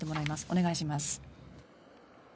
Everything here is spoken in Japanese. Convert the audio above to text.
お願いします。